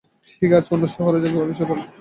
ঠিক আছে, অন্য শহরে যাবি, পরিচয় পালটে ফেলবি।